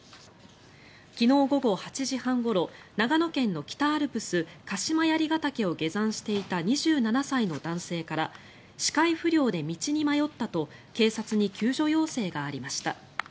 昨日午後８時半ごろ長野県の北アルプス鹿島槍ケ岳を下山していた２７歳の男性から視界不良で道に迷ったと警察に救助要請がありました。